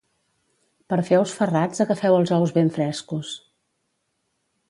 Per fer ous ferrats agafeu els ous ben frescos